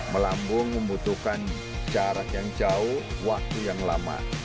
melambung membutuhkan jarak yang jauh waktu yang lama